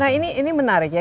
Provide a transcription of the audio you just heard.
nah ini menarik ya